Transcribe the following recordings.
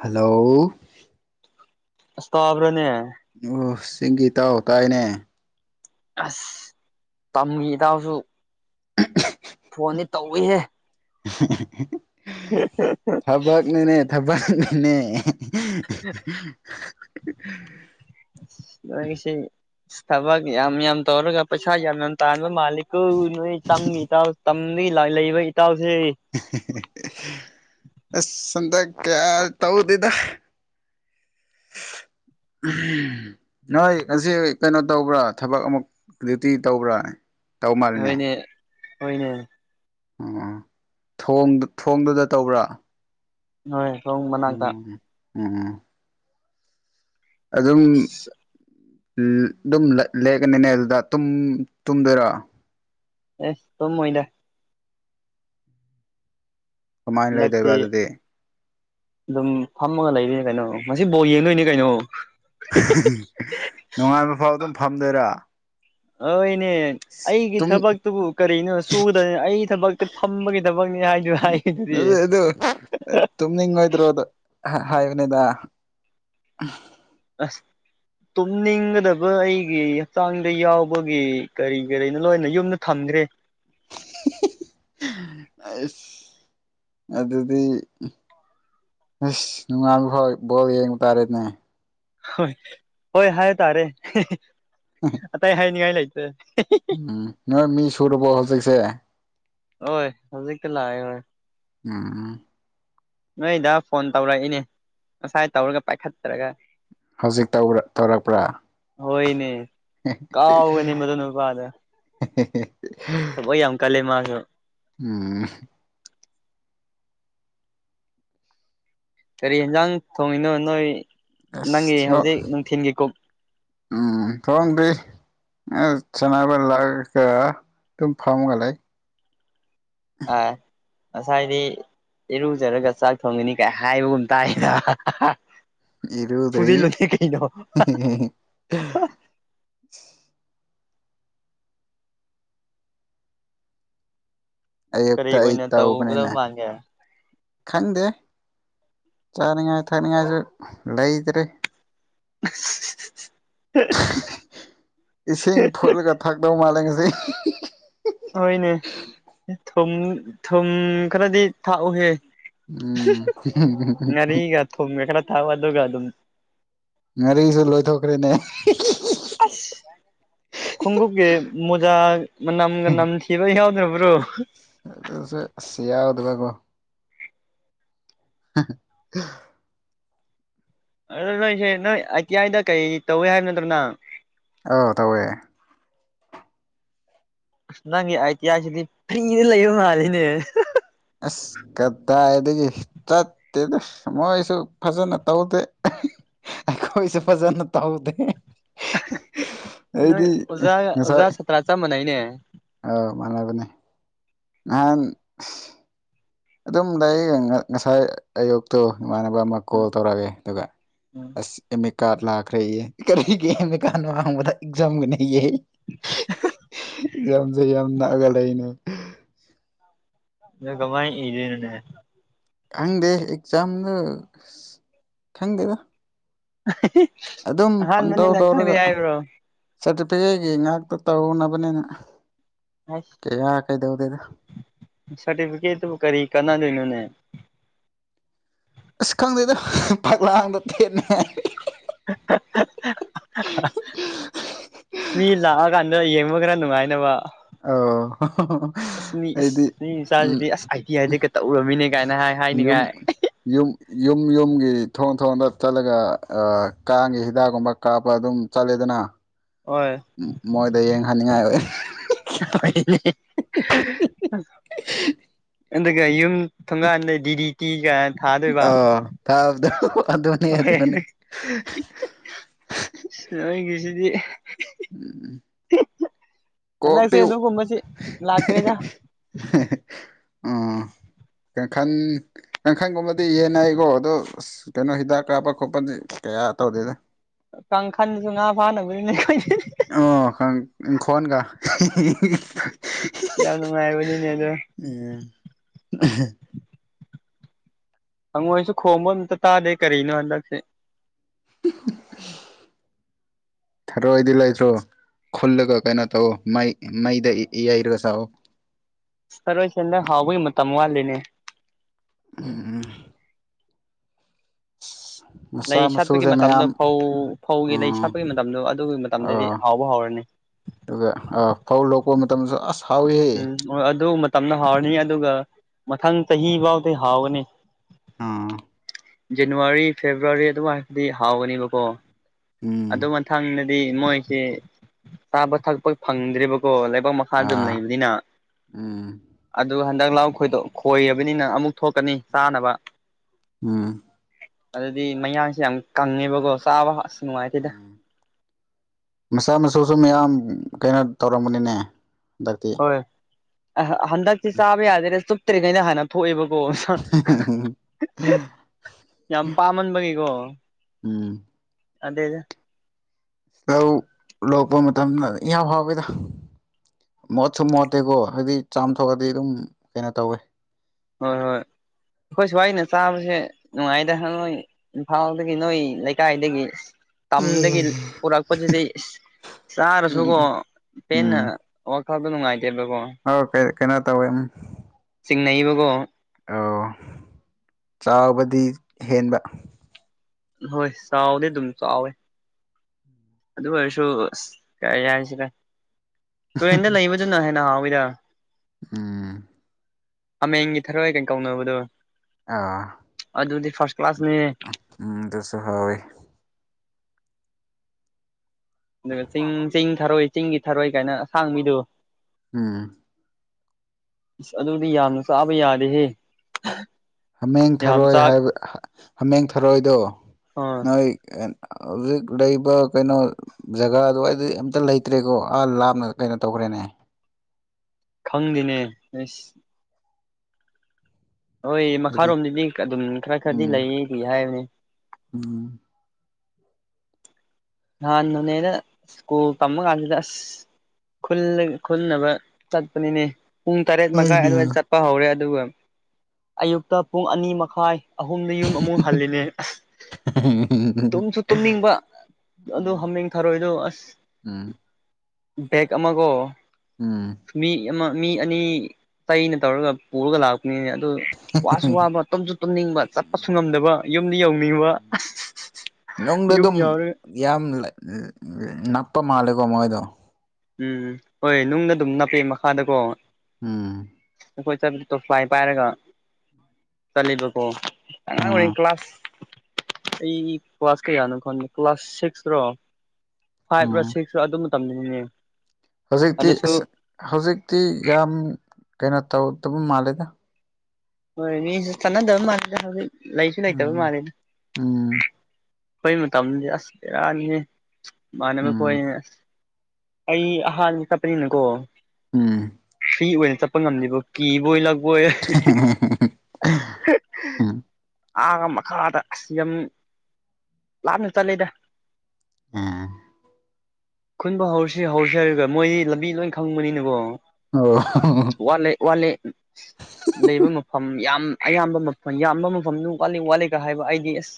hello ꯁꯇꯥꯕꯔꯅꯦ ꯑꯣ ꯁꯤꯡꯒꯤ ꯇꯥꯎꯥꯎ ꯇꯥꯏꯅꯦ ꯑꯁ ꯇꯝꯒꯤ ꯏꯇꯎꯁꯨ ꯐꯣꯟꯅꯤ ꯇꯧꯏꯍꯦ [unintelligible] [unintelligible] ꯊꯕꯅꯦ ꯃꯥꯁ ꯕꯛ ꯌꯥꯝ ꯌꯥꯝ ꯇꯧꯔꯒ ꯄꯩꯁꯥ ꯌꯥꯝ ꯌꯥꯝ ꯇꯥꯟꯕ ꯃꯥꯂꯤꯛ ꯅꯣꯏ ꯇꯝ ꯏꯇꯥꯎ ꯇꯝ ꯗꯒꯤ ꯂ ꯂꯩꯕ ꯏꯇꯥꯎꯁꯦ ꯑꯁ ꯁꯗ ꯀꯌꯥ ꯇꯧꯗꯗ [unintelligible] ꯅꯣꯏ ꯉꯁ ꯀꯩꯅꯣ ꯇꯧꯕ꯭ꯔꯥ ꯊꯕꯛ ꯑꯃꯨꯛ ꯗꯇꯤ ꯇꯧꯕ꯭ꯔꯥ ꯇꯧ ꯍꯣꯏꯅꯦ ꯍꯅꯦ ꯎ ꯊꯣꯡꯗꯨꯗ ꯇꯧꯕ꯭ꯔꯥ ꯍꯣꯏ ꯁꯣꯡ ꯃꯅꯥꯛꯇ ꯎꯝ ꯎꯝ ꯑꯗꯨꯝ ꯑꯗꯨꯝ ꯂꯦꯛꯀꯅꯤꯅꯦ ꯑꯗꯨꯗ ꯇꯨꯝ ꯇꯨꯝꯗꯣꯏꯔꯣ ꯑꯦꯁ ꯇꯝ ꯃꯣꯏꯗ ꯀꯃꯥꯏꯅ ꯂꯩꯗꯣꯏꯕ ꯍꯟꯗꯛꯇꯤ ꯑꯗꯨꯗꯤ ꯑꯗꯨꯝ ꯐꯝꯃꯒ ꯂꯩꯔꯤꯅ ꯀꯩꯅꯣ ꯃꯁꯤ ꯕꯧ ꯌꯦꯡꯗꯣꯏꯅꯦ ꯀꯩꯅꯣ ꯅꯨꯡꯉꯥꯏꯕ ꯐꯥꯎ ꯑꯗꯨꯝ ꯐꯝꯗꯣꯏꯔꯥ ꯑ [unintelligible] [inaudible] ꯑꯩꯒꯤ ꯊꯕꯛꯇꯨꯕꯨ ꯀꯔꯤꯅꯣ ꯁꯨꯒꯗꯕꯅꯤ ꯑꯩꯒꯤ ꯊꯕꯛꯇꯤ ꯐꯝꯕꯒꯤ ꯊꯕꯛꯅꯤ ꯍꯥꯏꯁꯨ ꯍꯥꯏ ꯀ ꯀꯔꯤ ꯑꯗꯨ ꯇꯨꯝꯅꯤꯡꯉꯣꯏꯗ꯭ꯔꯣꯗ ꯍꯥꯏꯕꯅꯤꯗ ꯑꯁ [inaudible] ꯇꯨꯝꯅꯤꯡꯒꯗꯕ ꯑꯩꯒꯤ ꯍꯛꯆꯥꯡꯗ ꯌꯥꯎꯕꯒꯤ ꯀꯔꯤ ꯀꯔꯤꯅꯣ ꯂꯣꯏꯅ ꯌꯨꯝꯗ ꯊꯝꯒ ꯇꯔꯦ ꯑ ꯑꯗꯨꯗꯤ ꯑꯁ ꯅꯨꯡꯉꯕ ꯐꯥꯎ ꯕꯣꯠ ꯌꯦꯡꯕ ꯇꯥꯔꯦꯅꯦ ꯍꯣꯏ ꯍꯣꯏ ꯍꯥꯏ ꯇꯥꯔꯦ ꯑꯇꯩ ꯍꯥꯏꯅꯤꯡꯉꯥꯏ ꯂꯩꯇꯦ ꯎꯝ ꯅ ꯃꯤ ꯁꯨꯔꯔꯕꯣ ꯍꯧꯜ ꯆꯁꯦ ꯍꯣꯏ ꯍꯧꯖꯤꯛꯇ ꯂꯥꯛꯑꯦ ꯍꯣꯏ ꯎꯝ [inaudible] [unintelligible] ꯅꯣꯏꯗ ꯐꯣꯟ ꯇꯧꯔꯛꯏꯅꯦ ꯉꯁꯥꯏ ꯇꯧꯔꯒ ꯄꯥꯏꯈꯠꯇꯔꯒ ꯍꯧꯖꯤꯛ ꯇꯧꯔꯛꯄ꯭ꯔꯥ ꯍꯣꯏꯅꯦ ꯀꯥꯎꯥꯎꯒꯅꯤ ꯃꯗꯨꯅꯕꯥꯥꯗ ꯌꯥꯝ ꯀꯜꯂꯦ ꯃꯥꯁꯨ ꯎꯝ [unintelligible] [inaudible] ꯀꯔꯤ ꯌꯦꯟꯖꯥꯡ ꯊꯣꯡꯉꯤꯅꯣ ꯅꯣꯏ ꯅꯪꯒꯤ ꯑꯁ ꯍꯧꯖꯤꯛ ꯅꯨꯡꯊꯤꯟꯒꯤ ꯀꯨꯛ ꯎꯝ ꯊꯗ [inaudible] [unintelligible] ꯑ ꯆꯅꯥꯕ ꯂꯥꯛꯑꯒ ꯑꯗꯨꯝ ꯐꯝꯒ ꯂꯩ ꯑ [inaudible] [unintelligible] ꯉꯁꯥꯏꯗꯤ ꯏꯔꯨꯖꯔꯒ ꯆꯥꯛ ꯊꯣꯡꯉꯅꯤ ꯀꯥꯏ ꯍꯥꯏꯕꯒꯨꯝ ꯇꯥꯏꯗ ꯐꯖꯤ ꯏꯔꯨꯗ꯭ꯔꯤ [inaudible] ꯂꯣꯅꯤ ꯀꯩꯩꯅ ꯀꯔꯤ ꯑꯩꯛꯇ ꯑꯩ ꯑꯣꯏꯅ ꯇꯧꯒꯗꯕ ꯇꯎꯕꯅꯤꯅꯦ ꯃꯥꯟꯒꯦ ꯈꯪꯗꯦ ꯆꯥꯅꯤꯡꯉꯥꯏ ꯊꯛꯅꯤꯡꯉꯥꯏꯁꯨ ꯂꯩꯇ꯭ꯔꯔꯤ ꯑ [unintelligible] [inaudible] ꯏꯁꯤꯡ ꯐꯨꯠꯂꯒ ꯊꯥꯛꯇꯕ ꯃꯥꯂꯦꯁꯤ ꯍꯣꯏꯅꯦ ꯊꯨꯝ ꯊꯨꯝ ꯈꯔꯗꯤ ꯊꯥꯛꯎꯍꯦ ꯎꯝ ꯉꯔꯤꯒ ꯊ ꯑꯦꯈꯔ ꯊꯥꯕꯗꯧꯒ ꯑꯗꯨꯝ ꯉꯥꯔꯤꯁꯨ ꯂꯣꯏꯊꯣꯛꯈ꯭ꯔꯦꯅꯦ ꯈꯨꯒꯨꯀꯤꯦ ꯃꯣꯖꯥ ꯃ ꯅꯝꯒ ꯅꯝ ꯊꯤꯕ ꯌꯥꯎꯗ꯭ꯔꯕ꯭ꯔꯣ ꯁꯤ ꯌꯥꯎ ꯑꯗꯨꯒ ꯀꯣ [unintelligible] [inaudible] ꯑꯗꯨ ꯅꯣꯏꯁꯦ ꯅꯣꯏ ꯑꯇꯤꯌꯥꯗ ꯀꯩ ꯇꯧꯏ ꯍꯥꯏꯕ ꯅꯠꯇ꯭ꯔꯅ ꯑꯥꯎ ꯇꯧꯋꯦ ꯑꯁ ꯅꯪꯒꯤ ꯑꯇꯤꯍꯁꯤꯗꯤ ꯐ꯭ꯔꯤꯅ ꯂꯩꯕ ꯃꯥꯜꯂꯤꯅꯦ ꯑꯁ ꯀꯗꯥꯏꯗꯒꯤ ꯆꯠꯇꯦꯗ ꯃꯣꯏꯁꯨ ꯐꯖꯅ ꯇꯧꯗꯦ ꯀꯣꯏꯁ ꯐꯖꯅ ꯇꯥꯎꯗꯦ [unintelligible] [inaudible] ꯅꯣꯏ ꯑꯣꯖꯥ ꯉꯁꯥꯏ ꯑꯣꯖꯥ ꯁꯇ꯭ꯔꯥ ꯆ ꯃꯅꯥꯏꯅꯦ ꯑꯥ ꯃꯥꯟꯅꯕꯅꯦ ꯅꯍꯥꯟ ꯑꯗꯨꯝ ꯂꯩ ꯉꯁꯥꯏ ꯑꯌꯨꯛꯇꯣ ꯅꯨꯡꯉꯥꯟꯅꯕ ꯑꯃ ꯎꯝ ꯀꯣꯜ ꯇꯧꯔꯛꯑꯒꯦ ꯑꯗꯨꯒ ꯎꯝ ꯑꯁ ꯑꯦꯃꯤꯛ ꯀꯥꯔ ꯂꯥꯛꯈ꯭ꯔꯦꯌꯦ ꯀꯔꯤꯒꯃꯦ ꯀꯥꯟꯅꯣ ꯋꯥꯥꯡꯕꯗ ꯑꯦꯛꯖꯥꯝꯒꯅꯌꯦ ꯌꯥꯝꯝꯁꯨ ꯌꯥꯝꯝ ꯅꯥꯒꯂꯏꯅ ꯅꯪ ꯀꯃꯥꯏꯅ ꯏꯗꯩꯅꫭꯅꯦ ꯈꯪꯗꯦ ꯑꯦꯛꯖꯥꯝꯗ ꯈꯪꯗꯦꯗ [inaudible] ꯑꯗꯨꯝ ꯄꯪꯇꯧ ꯑꯍꯥꯟꯕꯅꯤꯅ ꯈꯪꯗꯦ ꯇꯧꯔꯒ ꯍꯥꯏꯕ꯭ꯔꯣ ꯁꯥꯔꯇꯤꯐꯤꯀꯦꯠꯒꯤ ꯉꯥꯛꯇ ꯇꯧꯅꯕꯅꯤꯅ ꯀꯌꯥ ꯀꯩꯗꯧꯗꯦꯗ ꯁꯔꯇꯤꯐꯤꯀꯦꯠ ꯇꯨꯕꯨ ꯀꯔꯤ ꯀꯥꯟꯅꯗꫭꯏꯅꫭꯅꯦ ꯑꯁ ꯈꯪꯗꯦꯗ ꯐꯛꯂꯥꯡꯗꯣ ꯊꯦꯠꯅꯤꯉꯥꯥꯏ ꯃꯤ ꯂꯥꯛꯑꯀꯥꯟꯗ ꯌꯦꯡꯕ ꯈꯔ ꯅꯨꯡꯉꯥꯏꯅꯕ ꯑꯣ ꯑꯁ ꯃꯤ ꯑꯁ ꯑꯩꯗꯤ ꯃꯤ ꯎꯝ ꯃꯆꯥꯁꯤꯗꯤ ꯑꯁ ꯑꯥꯏ ꯇꯤ ꯑꯥꯏꯗꯒ ꯇꯧꯔꯝꯃꯤꯅꯦ ꯀꯥꯏꯅ ꯍꯥꯏ ꯌꯨꯝ ꯍꯥꯏꯅꯤꯡꯉꯥꯏ ꯌꯨ ꯌꯨꯝ ꯌꯨꯝ ꯌꯨꯝꯒꯤ ꯊꯣꯡ ꯊꯣꯡꯗ ꯆꯠꯂꯒ ꯑꯥ ꯀꯥꯡꯒꯤ ꯍꯤꯗꯥꯛꯒꯨꯝꯕ ꯀꯥꯞꯄ ꯑꯗꯨꯝ ꯆꯠꯂꯦꯗꯅ ꯍꯣꯏ ꯃꯣꯏꯗ ꯌꯦꯡꯍꯟꯅꯤꯡꯉꯥꯏ ꯑꯣꯏ ꯑꯗꯨꯒ ꯌꯨꯝ ꯊꫭꯡꯒꯥꯥꯟꯗ ꯗꯤ ꯗꯤ ꯇꯤ ꯒ ꯑꯣ ꯊꯥꯕꯗꫭ ꯑꯗꯨꯅꯦ ꯑꯗꯨꯅꯦ ꯅꯣꯏꯒꯤꯁꯤꯗꯤ ꯎꯝ ꯍꯟꯗꯛꯁꯦ ꯀꯣꯛꯇꯤ ꯑꯗꯨ ꯒꯨꯝꯕꯁꯨ ꯂꯥꯛꯇ꯭ꯔꯦꯗ ꯎꯝ ꯀꯥꯡꯈꯟ ꯀꯥꯡꯈꯟꯒꯨꯝꯕꯗꯤ ꯌꯦꯟꯅꯩ ꯀꯣ ꯑꯗꯣ ꯀꯩꯅꯣ ꯍꯤꯗꯥꯛ ꯀꯥꯞꯄ ꯈꯣꯠꯄꯗꯤ ꯀꯌꯥ ꯇꯧꯗꯦꯗ ꯀꯥꯡꯈꯥꯟꯁꯨ ꯉꯥ ꯐꯥꯅꯕꯅꯤꯅꯦ ꯑꯈꫭꯏ ꯑꯣ ꯈꯪꯉꯤ ꯏꯪꯈꫭꯟꯒ ꯌꯥꯝ ꯅꯨꯡꯉꯥꯏꯕꯅꯤ ꯎꯝ ꯍꯪꯉꯣꯏꯁꯨ ꯈꯣꯡꯕ ꯑꯝꯇ ꯇꯥꯗꯦ ꯀꯔꯤꯅꯣ ꯍꯟꯗꯛꯇꯤ [inaudible] ꯊꯔꯣꯏꯗꯤ ꯂꯩꯥꯁꯨ ꯈꯨꯜꯂꯒ ꯀꯩꯅꯣ ꯇꯧꯑꯣ ꯃꯩ ꯃꯩꯗ ꯌꯩꯔꯒ ꯆꯥꯑꯣ ꯆꯔꯣꯏꯁꯦꯟꯗ ꯍꯥꯎꯕꯒꯤ ꯃꯇꯝ ꯋꯥꯠꯂꯤꯅꯦ ꯎꯝ ꯂꯩ ꯃꯆꯥ ꯁꯥꯠꯄꯒꯤ ꯃꯁꯨꯁꯦ ꯃꯇꯝꯗꯣ ꯃꯌꯥꯝ ꯐꯧ ꯐꯧꯒꯤ ꯂꯩ ꯎꯝ ꯁꯥꯠꯄꯒꯤ ꯃꯇꯝꯗꯣ ꯑꯗꯨꯒꯤ ꯃꯇꯝꯗꯗꯤ ꯑꯣ ꯍꯥꯎꯕ ꯍꯧꯎꯔꯅꯤ ꯑꯗꯨꯒ ꯐꯧ ꯂꯣꯛꯄ ꯃꯇꯝꯗ ꯑꯁ ꯍꯥꯎꯋꯤꯍꯦ ꯎꯝ ꯑꯣ ꯑꯗꯨ ꯃꯇꯝꯗ ꯍꯥꯎꯔꯅꯤ ꯑꯗꯨꯒ ꯃꯊꯪ ꯆꯍꯤ ꯐꯥꯎꯗꯤ ꯍꯥꯎꯒꯅꯤ ꯑꯥ ꯖꯅꯋꯥꯔꯤ ꯐꯦꯕ꯭ꯔꯨꯋꯥꯔꯤ ꯑꯗꯨꯋꯥꯏꯗꯗꯤ ꯍꯥꯎꯒꯅꯦꯕꯀꯣ ꯑꯗꯨ ꯎꯝ ꯃꯊꯪ ꯗꯤ ꯃꯣꯏꯁꯦ ꯆꯥꯕ ꯊꯛꯄ ꯐꯪꯗ꯭ꯦꯔꯤꯕꯀꯣ ꯂꯩ ꯃꯈꯥ ꯗꯨꯝ ꯑꯥ ꯂꯩꯕꯅꯤꯅ ꯎꯝ ꯑꯗꯨꯒ ꯍꯟꯗꯛ ꯂꯥꯎ ꯈꯣꯏꯗꯣꯛ ꯈꯣꯏꯔꯕꯅꯤꯅ ꯑꯃꯨꯛ ꯊꯣꯛꯀꯅꯤ ꯆꯥꯅꯕ ꯑꯗꯨꯗꯤ ꯃꯌꯥꯡꯁꯦ ꯌꯥꯝ ꯀꯪꯉꯦꯕꯀꯣ ꯆꯥꯕ ꯑꯁ ꯅꯨꯡꯉꯥꯏꯇꯦꯗ ꯎꯝ ꯃꯆꯥ ꯃꯁꯨꯁꯨ ꯃꯌꯥꯝ ꯀꯩꯅꯣ ꯇꯧꯔꯝꯃꯅꯤꯅꯦ ꯍꯟꯗꯛꯇꯤ ꯑ ꯍꯟꯗꯛꯇꯤ ꯆꯥꯕ ꯌꯥꯗꯦꯗ ꯆꯨꯞꯇ꯭ꯔꯤꯉꯩꯩꯅ ꯍꯥꯟꯅ ꯊꯣꯛꯑꯦꯕ ꯕꫭ ꯁ ꯌꯥꯝ ꯄꯥꯝꯃꯟꯕꯒꯤꯀꯣ ꯎꯝ ꯑꯗꯩꯗ ꯂꯧ ꯔꫭꯛꯄ ꯃꯇꯝꯗ ꯌꯥꯝ ꯍꯥꯎꯋꯦꯗ ꯃꯣꯠꯁꯨ ꯃꯣꯠꯇꯦꯀꯣ ꯍꯥꯏꯕꯗꯤ ꯆꯥꯝꯊꯣꯛꯑꯗꯤ ꯑꯗꯨꯝ ꯀꯩꯅꯣ ꯇꯧꯋꯦ ꯍꯣꯏ ꯍꯣꯏ ꯑꯩꯈꯣꯏ ꯁ꯭ꯋꯥꯏꯅ ꯆꯥꯕꯁꯦ ꯅꯨꯡꯉꯥꯏꯗ ꯅꯣꯏ ꯏꯝꯐꯥꯜꯗꯒꯤ ꯅꯣꯏ ꯂꯩꯀꯥꯏꯗꯒꯤ ꯎꯝ ꯇꯝꯗꯒꯤ ꯄꯨꯔꯛꯄꯁꯤꯗꯤ ꯏꯁ ꯆꯥꯔꯁꯨꯀꯣ ꯎꯝ ꯄꯦꯟꯅ ꯐꯥꯕ ꯅꯨꯡꯉꯥꯏ ꯑꯥꯎ ꯀꯩ ꯀꯩꯅꫭ ꯇꯧꯑꯦ ꯎꯝ ꯅꯩꯕꯒꯣ ꯑꯣ ꯆꯥꯎꯕꯗꯤ ꯍꯦꯟꯕ ꯍꯣꯏ ꯆꯥꯎꯗꯤ ꯑꯗꯨꯝ ꯆꯥꯎꯋꯦ ꯑꯗꯨ ꯑꯣꯏꯔꯁꯨ ꯑꯁ ꯀꯩ ꯍꯥꯏꯁꯤꯔ ꯇꯨꯔꯦꯟꯗ ꯂꯩꯕꯗꯨꯅ ꯍꯦꯟꯅ ꯍꯥꯎꯋꯤꯗ ꯎꯝ ꯍꯥꯃꯦꯡꯒꯤ ꯊꯔꯑꯣꯏ ꯀꯩꯅ ꯀꯧꯅꯕꯗꯣ ꯑꯗꯨꯗꯤ ꯐꯥꯔꯁ ꯀ꯭ꯂꯥꯁꯅꯦ ꯑ ꯎꯝ ꯇꯁꯨ ꯍ ꯑꯗꯨꯒ ꯆꯤꯡ ꯆꯤꯡ ꯊꯔꯣꯏ ꯆꯤꯡꯒꯤ ꯊꯔꯣꯏ ꯀꯥꯏꯅ ꯑꯁꯥꯡ ꯃꯤꯗꯨ ꯎꯝ ꯑꯁ ꯑꯗꯨꯗꯤ ꯌꯥꯝꯅ ꯆꯥꯕ ꯌꯥꯔꯦꯍꯦ ꯍꯥꯃꯦꯡ ꯊꯔꯣꯏ ꯍꯥꯏꯕ ꯍꯥꯃꯦꯡ ꯊꯔꯣꯏꯗꯣ ꯑ ꯅꯣꯏ ꯍꯧꯖꯤꯛ ꯂꯩꯕ ꯀꯩꯅꯣ ꯖꯒꯥ ꯑꯗꯨꯋꯥꯗꯤ ꯑꯝꯇ ꯂꯩꯇ꯭ꯔꯦꯀꯣ ꯑꯥ ꯂꯥꯞꯅ ꯀꯩꯅꯣ ꯇꯧꯈ꯭ꯔꯦ ꯅꯦ ꯈꯪꯗꯤꯅꯦꯁ ꯍꯣꯏ ꯍꯥꯏꯗꯤ ꯃꯈꯥꯔꯣꯝꯗꯗꯤ ꯑꯗꯨꯝ ꯈꯔ ꯈꯔꯗꯤ ꯎꯝ ꯂꯩꯗꯤ ꯍꯥꯏꯕꯅꯦ ꯎꯝ ꯅꯍꯥꯟꯅꯅꯦꯅ ꯁ꯭ꯀꯨꯜ ꯇꯃ ꯀꯥꯟꯁꯤꯗ ꯑꯁ ꯈꯨꯜꯅꯕ ꯆꯠꯄꯅꯤꯅꯦ ꯄꯨꯡ ꯇꯔꯦꯠ ꯃꯈꯥꯏ ꯍꯣꯏꯅꯦ ꯑꯗꯨꯋꯥꯏꯗ ꯆꯠꯄ ꯍꯧꯔꯦ ꯑꯗꯨꯒ ꯑꯌꯨꯛꯇ ꯄꯨꯡ ꯑꯅꯤ ꯃꯈꯥꯏ ꯑꯍꯨꯝꯗ ꯌꯨꯝ ꯑꯃꯨꯛ ꯍꯜꯂꯤꯅꯦ ꯇꯨꯝꯁꯨ ꯇꯨꯝꯅꯤꯡꯕ ꯑꯗꯨ ꯎꯝ ꯍꯥꯃꯦꯡ ꯊꯥꯔꯣꯏꯏꯗꯣ ꯑꯁ ꯎꯝ ꯕꯦꯛ ꯑꯃꯒꯣ ꯎꯝ ꯃꯤ ꯑꯃ ꯃꯤ ꯑꯅꯤ ꯇꯩꯅ ꯇꯧꯔꯒ ꯄꯨꯔꯒ ꯂꯥꯛꯄ ꯅꯦ ꯑꯗꯨ ꯋꯥꯁꯨ ꯋꯥꯕ ꯇꯨꯝꯁꯨ ꯇꯨꯝꯅꯤꯡꯕ ꯆꯠꯄꯁꯨ ꯉꯝꯗꯕ ꯌꯨꯝꯗ ꯌꯧꯅꯤꯡꯕ ꯎꯝ ꯅꯨꯡꯗ ꯌꯨꯝ ꯑꯗꯨꯝ ꯌꯥꯔꯦ ꯌꯥꯝ ꯅꯞꯄ ꯃꯥꯜꯂꯦꯀꯣ ꯃꯣꯏꯗꯣ ꯎꯝ ꯍꯣꯏ ꯅꯨꯡꯅ ꯑꯗꯨꯝ ꯅꯞꯄꯦ ꯃꯈꯥꯗꯀꯣ ꯎꯝ ꯑꯩꯈꯣꯏ ꯆꯠꯄ ꯇꯣꯐ꯭ꯂꯥꯏ ꯄꯥꯏꯔꯒ ꯆꯠꯂꯤꯕꯀꯣ ꯑꯉꯥꯡ ꯑꯣꯏ ꯎꯝ ꯀ ꯀ꯭ꯂꯥꯁꯥꯁ ꯑꯩ ꯀ꯭ꯂꯥꯁ ꯀꯌꯥꯅꯣ ꯈꯪꯉꯦ ꯀ꯭ꯂꯥꯁ ꯁꯤꯛꯁ꯭ꯔꯣ ꯐꯥꯏꯚ ꯔꯥ ꯎꯝ ꯁꯤꯛꯁꯁꯨꯥ ꯑꯗꯨ ꯃꯇꯝꯗꯅꯤꯅꯦ ꯍꯧꯖꯤꯛꯇꯤ ꯑꯗꯨꯁꯨ ꯑꯁ ꯍꯧꯖꯤꯛꯇꯤ ꯌꯥꯝ ꯀꯩꯅꯣ ꯇꯧꯗꯕ ꯃꯥꯜꯂꯦꯗ ꯍꯣꯏ ꯃꯤꯁꯨ ꯆꯥꯟꯅꯗꯕ ꯃꯥꯜꯂꯤꯦꯗ ꯍꯧꯖꯤꯛ ꯂꯩꯁꯨ ꯂꯩꯇꯕ ꯎꯝ ꯃꯥꯜꯂꯤꯅꯦ ꯎꯝ ꯑꯩꯈꯣꯏ ꯃꯇꯝꯗꯤ ꯑꯁ ꯏꯔꯥꯟꯅꯤ ꯏꯥꯟꯅꯕ ꯎꯝ ꯈꯣꯏꯅꯦ ꯑꯁ ꯑꯩ ꯑꯍꯥꯟꯕ ꯆꯄꯅꯤꯅꯀꯣ ꯎꯝ ꯑꯣꯏꯅ ꯆꯠꯄ ꯉꯝꯂꯤꯕ ꯀꯤꯕꯣꯏ ꯂ ꯍ ꯎꯝ ꯑꯥꯒ ꯃꯈꯥꯗ ꯑꯁ ꯌꯥꯝ ꯂꯥꯞꯅ ꯆꯠꯂꯤꯗ ꯎꯝ ꯈꯨꯟꯕ ꯍꯧꯁꯤ ꯍꯧꯁꯤ ꯍꯥꯏꯔꯒ ꯃꯣꯏꯗꯤ ꯂꯝꯕꯤ ꯂꯣꯏ ꯈꯪꯕꯅꯤꯅ ꯠꯂꯦ ꯑꯣ ꯋꯥꯠꯂꯦ ꯂꯩꯕ ꯃꯐꯝ ꯌꯥꯝ ꯑꯌꯥꯝꯕ ꯃꯐꯝ ꯌꯥꯝꯕ ꯃꯐꯝꯗꯨ ꯋꯥꯠꯂꯤ ꯋꯥꯠꯂꯤꯒ ꯍꯥꯏꯕ ꯑꯩꯗꯤ ꯑꯁ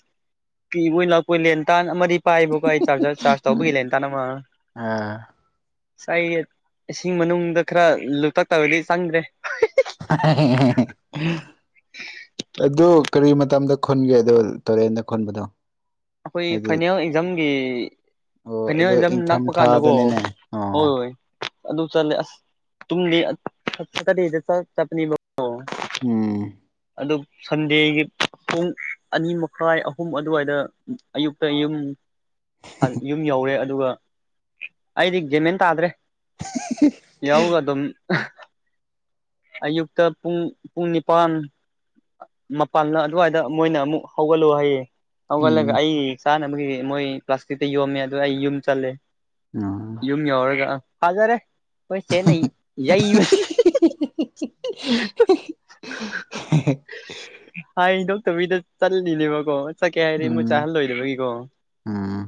ꯀꯤ ꯑꯣꯏꯅ ꯑꯩꯈꯣꯏ ꯂꯦꯟꯇꯥꯟ ꯑꯃꯗꯤ ꯄꯥꯏꯕꯨꯀ ꯑꯩ ꯆꯥꯖꯔ ꯆꯥꯔꯖ ꯇꯧꯕꯧꯕꯒ ꯇꯅꯃ ꯑꯥ ꯁ ꯑꯩ ꯏꯁꯤꯡ ꯃꯅꯨꯡꯗ ꯈꯔ ꯂꯣꯛꯇꯥꯛ ꯇꯕꯗꯤ ꯆꯪꯗ꯭ꯔꯦ ꯑꯗꯨ ꯀꯔꯤ ꯃꯇꯝꯗ ꯈꯨꯟꯒꯦ ꯑꯗꯣ ꯇꯨꯔꯦꯟꯗ ꯈꯨꯟꯕꯗꯣ ꯑꯩꯈꯣꯏ ꯍꯥꯏꯗꯤ ꯐꯥꯏꯅꯦꯜ ꯑꯦꯛꯖꯥꯝꯒꯤ ꯑꯣ ꯑꯗꯣ ꯐꯅꯦꯛꯖꯝ ꯏꯪꯊꯝ ꯅꯛꯄ ꯀꯥꯟꯗꯀꯣ ꯊꯥꯗꯅꯤꯅꯦ ꯑꯣ ꯍꯣꯏ ꯍꯣꯏ ꯑꯗꯨ ꯆꯠꯂꯦ ꯑꯁ ꯇꯗꯤ ꯀ ꯆ ꯆꯠꯅꯤ ꯎꯝ ꯑꯗꯨ ꯁꯟꯗꯦꯒꯤ ꯄꯨꯡ ꯑꯅꯤ ꯃꯈꯥꯏ ꯑꯍꯨꯝ ꯑꯗꯨꯋꯥꯏꯗ ꯑꯌꯨꯛꯇ ꯌꯨꯝ ꯌꯨꯝ ꯌꯧꯔꯦ ꯑꯗꯨꯒ ꯑꯩꯗꯤ ꯖꯦꯃꯦꯟ ꯇꯥꯗ꯭ꯔꯦ ꯌꯥꯎꯒ ꯑꯗꯨꯝ ꯑꯌꯨꯛꯇ ꯄꯨꯡ ꯄꯨꯡ ꯅꯤꯄꯥꯟ ꯃꯄꯥꯟꯅ ꯑꯗꯨꯋꯥꯏꯗ ꯃꯣꯏꯅ ꯑꯃꯨꯛ ꯍꯧꯒꯠꯂꯨ ꯍꯥꯏꯌꯦ ꯍꯧꯒꯠꯂꯒ ꯎꯝ ꯑꯩ ꯆꯥꯅꯕꯒꯤ ꯃꯣꯏ ꯄ꯭ꯂꯥꯁꯇꯤꯛꯇ ꯌꯣꯝꯃꯦ ꯑꯗꯨ ꯑꯩ ꯌꯨꯝ ꯆꯜꯂꯦ ꯑꯣ ꯌꯃꯤ ꯌꯥꯎꯔꯒ ꯍꯖꯔꯦ ꯍꯣꯏꯁꯦ ꯅ ꯌꯏ [unintelligible] ꯃꯤꯗ ꯆꯜꯂꯤꯅꯦꯕ ꯀꯣ ꯆꯠꯀꯦ ꯍꯥꯏꯔ ꯃꯣꯏ ꯎꯝ ꯆꯥꯍꯜꯂꯣꯏꯗꯕꯒꯤꯀꯣ ꯎꯝ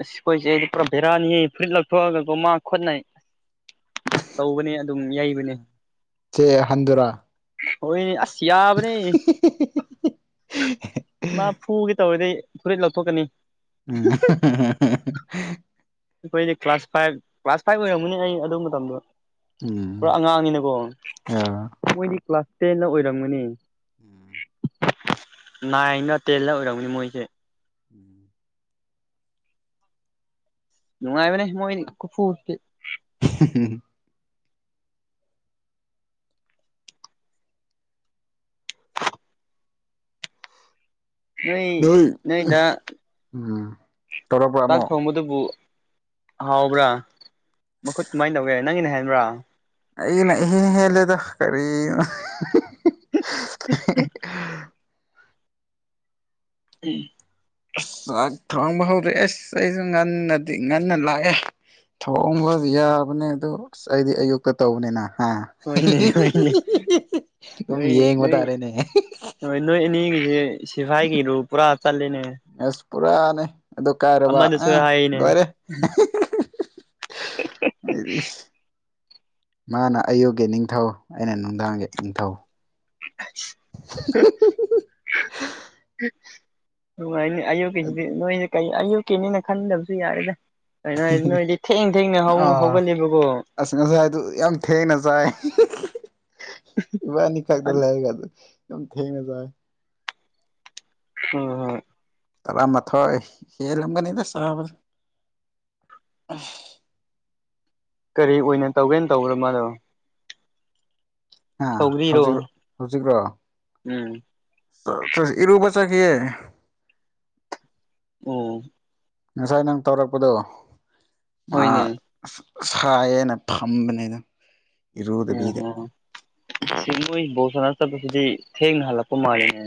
ꯑ ꯀꯣꯏꯁꯦ ꯑꯩꯗꯤ ꯄꯨꯔꯥ ꯕꯦꯔꯥꯅꯤ ꯐꯨꯔꯤꯠ ꯂꯧꯊꯣꯛꯑꯒꯀꯣ ꯃꯥ ꯈꯣꯠꯅꯩ ꯇꯧꯕꯅꯤ ꯆꯦ ꯍꯟꯗꯨꯔꯥ ꯍꯣꯏꯅꯤ ꯍꯁꯤ ꯌꯥꯕꯅꯤ ꯃꯥ ꯐꯨꯒꯤ ꯇꯧꯔꯤꯗꯩ ꯐꯨꯔꯤꯠ ꯂꯧꯊꯣꯛꯀꯅꯤ ꯎꯝ ꯑꯩꯈꯣꯏꯗꯤ ꯀ꯭ꯂꯥꯁ ꯐꯥꯏꯚ ꯀ꯭ꯂꯥꯁ ꯐꯥꯏꯚ ꯑꯣꯏꯔꯝꯃꯅꯦ ꯑꯩ ꯑꯗꯨ ꯃꯇꯝꯗꯣ ꯎꯝ ꯄꯨꯔꯥ ꯑꯉꯥꯡꯅꯤꯅꯀꯣ ꯑ ꯃꯣꯏꯒꯤ ꯀ꯭ꯂꯥꯁ ꯇꯦꯟꯅ ꯑꯣꯏꯔꯝꯒꯅꯤ ꯅꯥꯏꯟꯒ ꯇꯦꯟꯗ ꯎꯔꯝꯅꯤ ꯃꯣꯏꯁꯦ ꯅꯨꯡꯉꯥꯏꯕꯅꯦ ꯃꯣꯏꯅꯤ ꯀꯨ [unintelligible] ꯅꯣꯏ ꯎꯝ ꯇꯧꯔꯛꯄ꯭ꯔꯥ ꯇꯥꯛ ꯑꯃꯨꯛ ꯊꯣꯡꯃꯗꯕꯨ ꯍꯥꯎꯕ꯭ꯔꯥ ꯃꯈꯨꯠ ꯀꯃꯥꯏꯅ ꯇꯧꯒꯦ ꯅꯪꯒꯤꯅꯦ ꯍꯥꯏꯕ꯭ꯔꯥ ꯑꯩꯅ ꯍꯅꯦ ꯍꯂꯦꯗ ꯀꯔꯤ ꯎꯝ ꯑꯁ ꯆꯥꯛ ꯊꯣꯡꯕ ꯍꯧꯔꯛꯑꯦ ꯑꯁ ꯑꯩꯁꯨ ꯉꯟꯅꯗꯤ ꯉꯟꯅ ꯂꯥꯛꯑꯦ ꯊꯣꯡꯕ ꯌꯥꯕꯅꯦ ꯑꯗꯨ ꯑꯁ ꯑꯩꯗꯤ ꯑꯌꯨꯛꯇ ꯇꯧꯕꯅꯤꯅ ꯍꯥ ꯍꯣꯏꯅꯦ ꯍꯣꯏꯅꯦ ꯑꯗꯨꯝ ꯅꯣꯏ ꯌꯦꯡꯕ ꯅꯣꯏ ꯇꯥꯔꯦꯅꯦ ꯍꯣꯏ ꯅꯣꯏ ꯑꯅꯤꯒꯤꯁꯦ ꯁꯤꯐꯥꯏꯒꯤꯔꯨ ꯄꯨꯔꯥ ꯍꯥ ꯆꯂꯅꯦ ꯑꯁ ꯄꯨꯔꯥꯅꯦ ꯑꯗꯨ ꯀꯥꯏꯔꯕ ꯑꯥ ꯍꯥꯏꯅꯦ ꯂꯣꯏꯔꯦ ꯑꯩꯗꯤ ꯃꯥꯅ ꯑꯌꯨꯛꯒꯤ ꯅꯤꯡꯊꯧ ꯑꯩꯅ ꯅꯨꯡꯗꯥꯡꯒꯤ ꯅꯤꯡꯊꯧ ꯑꯉꯅꯦ ꯑꯌꯨꯛꯀꯤꯁꯤꯗꯤ ꯅꯣꯏꯁꯦ ꯀꯩ ꯑꯌꯨꯛꯀꯤꯅꯤꯅ ꯈꯟꯗꯕꯁꯨ ꯌꯥꯔꯦꯗ ꯍ ꯅꯣꯏꯗꯤ ꯊꯦꯡ ꯊꯦꯡꯅ ꯑꯥ ꯍꯧꯒꯠꯂꯦꯕꯀꯣ ꯑꯁ ꯉꯁꯥꯏꯗꯨ ꯌꯥꯝ ꯊꯦꯡꯅ ꯆꯥꯏ ꯏꯕꯥꯅꯤ ꯈꯥꯛꯗ ꯂꯩꯥꯏꯔ ꯀꯗ ꯌꯥꯝ ꯊꯅ ꯆꯥꯏ ꯍ ꯍꯣꯏ ꯇꯔꯥ ꯃꯊꯣ ꯍꯦ ꯂ ꯑꯃꯒꯅꯤꯗ ꯆ ꯑ ꯀꯔꯤ ꯑꯣꯏꯅ ꯇꯧꯒꯦꯅ ꯇꯧꯕ꯭ꯔ ꯃꯥꯂꯣ ꯑ ꯍꯧꯖꯤꯛ ꯍꯧꯖꯤꯛ꯭ꯔꯣ ꯎꯝ ꯏꯔꯕꯁꯆꯥ ꯀ ꯎꯝ ꯉꯁꯥꯏ ꯅꯪ ꯇꯧꯔꯛꯄꯗꯣ ꯍꯣꯏꯅꯦ ꯁꯥꯏꯌꯦꯅ ꯐꯝꯕꯅꯤꯗ ꯎ ꯏꯔꯨꯗꯕꯤꯗ ꯍ ꯁꯤꯒ ꯣ ꯁꯔ ꯆꯠꯄꯁꯤꯗꯤ ꯊꯦꯡꯅ ꯍꯜꯂꯛꯄ ꯃꯥꯜꯂꯦꯅꯦ